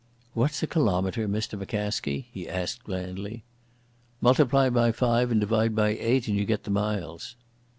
"What's a kilometre, Mr McCaskie?" he asked blandly. "Multiply by five and divide by eight and you get the miles."